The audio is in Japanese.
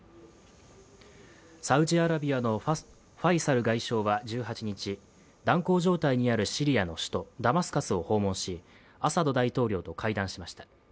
サウジアラビアのファイサル外相は１８日、断交状態にあるシリアの首都ダマスカスを訪問し、アサド大統領と会談しました。